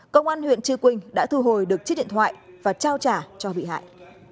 công an huyện chư quynh đã thu hồi được chiếc điện thoại và trao trả cho bị hại